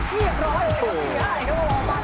พลาดเพราะนี่